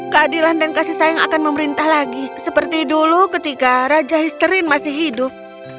keadilan dan kasih sayang akan memerintah lagi seperti dulu ketika raja histerin masih hidup